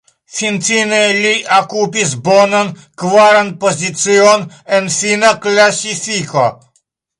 Finfine li okupis bonan, kvaran pozicion en fina klasifiko.